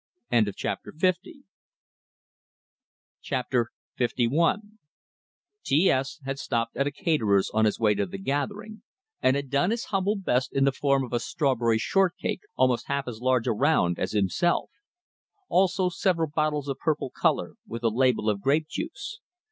LI T S had stopped at a caterer's on his way to the gathering, and had done his humble best in the form of a strawberry short cake almost half as large around as himself; also several bottles of purple color, with the label of grape juice.